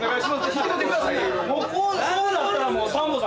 引き取ってくださいよ。